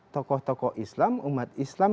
tokoh tokoh islam umat islam